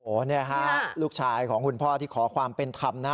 โอ้นี่ลูกชายของคุณพ่อที่ขอความเป็นคำนะ